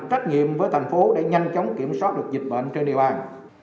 trách nhiệm với thành phố để nhanh chóng kiểm soát được dịch bệnh trên điều an